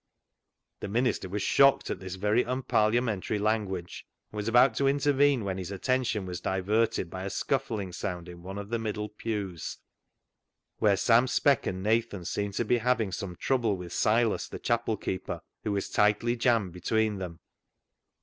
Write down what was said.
The minister was shocked at this very un parliamentary language, and was about to intervene when his attention was diverted by a scuffling sound in one of the middle pews, where Sam Speck and Nathan seemed to be having some trouble with Silas the chapel keeper, who was tightly jammed between them.